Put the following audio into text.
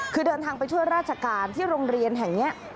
คือเดินทางไปช่วยราชการที่โรงเรียนแห่งนี้